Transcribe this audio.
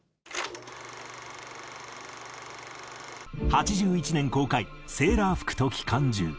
８１年公開『セーラー服と機関銃』。